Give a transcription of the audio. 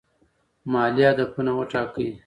مالي هدفونه وټاکئ.